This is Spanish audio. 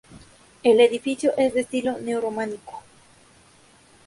El edificio es de estilo neo-románico.